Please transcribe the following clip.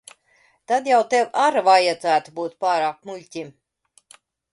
Tad jau tev ar vajadzētu būt pārāk muļķim.